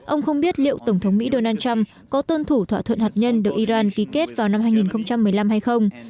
ông không biết liệu tổng thống mỹ donald trump có tuân thủ thỏa thuận hạt nhân được iran ký kết vào năm hai nghìn một mươi năm hay không